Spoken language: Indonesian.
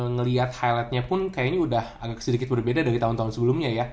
ngelihat highlightnya pun kayaknya udah agak sedikit berbeda dari tahun tahun sebelumnya ya